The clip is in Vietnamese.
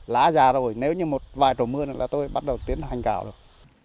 lá già rồi nếu như một vài tuổi mưa nữa là tôi bắt đầu tiến hành cào rồi